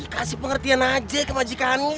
kasih pengertian aja ke majikan